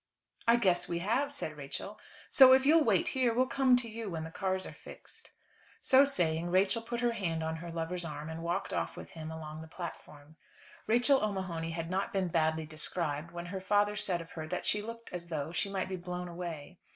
"I guess we have," said Rachel, "so if you'll wait here we'll come to you when the cars are fixed." So saying, Rachel put her hand on her lover's arm and walked off with him along the platform. Rachel O'Mahony had not been badly described when her father said of her that she looked as though she might be blown away.